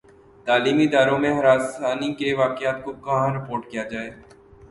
تعلیمی اداروں میں ہراسانی کے واقعات کو کہاں رپورٹ کیا جائے